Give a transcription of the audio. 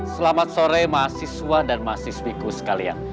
selamat sore mahasiswa dan mahasiswiku sekalian